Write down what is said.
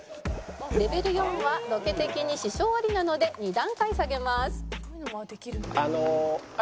レベル４はロケ的に支障ありなので２段階下げます